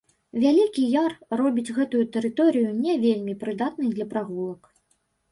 Вялікі яр робіць гэтую тэрыторыю не вельмі прыдатнай для прагулак.